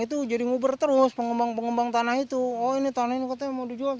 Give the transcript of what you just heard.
itu jadi ngubur terus pengembang pengembang tanah itu oh ini tanah ini katanya mau dijual